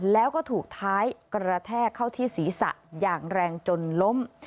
แล้วก็ถูกท้ายกระแทกเข้าที่ศีรษะอย่างแรงจนล้ม